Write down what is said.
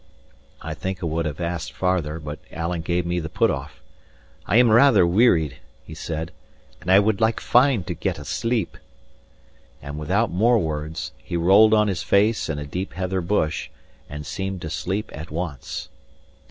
I think I would have asked farther, but Alan gave me the put off. "I am rather wearied," he said, "and I would like fine to get a sleep." And without more words, he rolled on his face in a deep heather bush, and seemed to sleep at once.